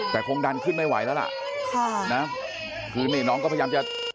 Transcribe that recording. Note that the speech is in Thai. แต่คงดันขึ้นไม่ไหวแล้วล่ะ